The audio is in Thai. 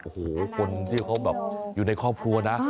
โอ้โหคนที่เขาแบบอยู่ในครอบครัวนะ